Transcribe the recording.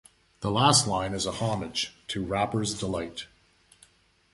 The last line is a homage to Rapper's Delight.